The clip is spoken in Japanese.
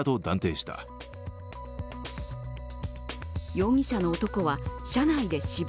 容疑者の男は車内で死亡。